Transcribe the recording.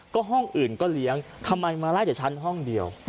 ก็ห้องอื่นก็เลี้ยงทำไมมาไล่แต่ชั้นห้องเดียว